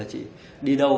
chị đi đâu